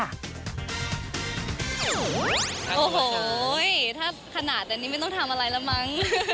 โอ้โหถ้าขนาดนี้ไม่ต้องทำอะไรแล้วมั้ง